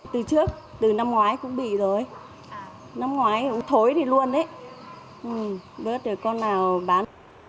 từ trước từ năm ngoái cũng bị rồi năm ngoái thối đi luôn đấy bớt được con nào bán